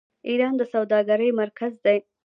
ایران د سوداګرۍ مرکز دی.